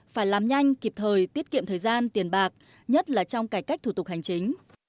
phải làm nhanh kịp thời tiết kiệm thời gian tiền bạc nhất là trong cải cách thủ tục hành chính